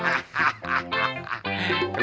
ya belum patuhin aku